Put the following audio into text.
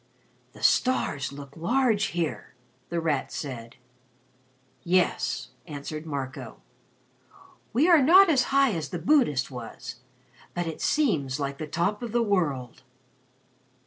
"The stars look large here," The Rat said. "Yes," answered Marco. "We are not as high as the Buddhist was, but it seems like the top of the world."